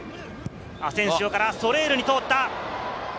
アセンシオからソレールに通った。